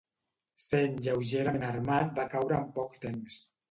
Sent lleugerament armat va caure en poc temps.